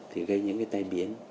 thì gây những tay biến